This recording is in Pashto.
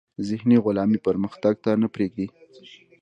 ذهني غلامي پرمختګ ته نه پریږدي.